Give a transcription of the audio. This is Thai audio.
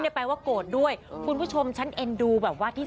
ไล่ไปหลังเวที